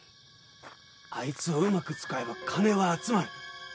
アイツをうまく使えばカネは集まる。